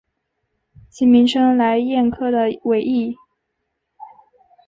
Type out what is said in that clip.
其名称来燕科的尾翼。